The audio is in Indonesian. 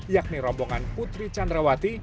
yakni rombongan putri candrawati